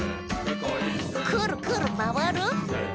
「くるくるまわる！」